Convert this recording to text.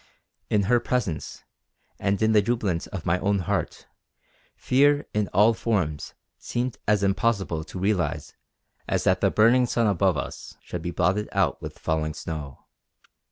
In her presence, and in the jubilance of my own heart, fear in all forms seemed as impossible to realise as that the burning sun above us should be blotted out with falling snow.